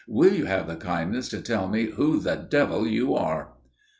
"Will you have the kindness to tell me who the devil you are?"